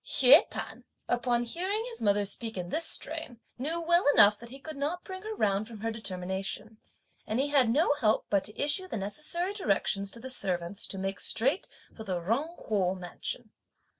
Hsüeh P'an, upon hearing his mother speak in this strain, knew well enough that he could not bring her round from her determination; and he had no help but to issue the necessary directions to the servants to make straight for the Jung Kuo mansion.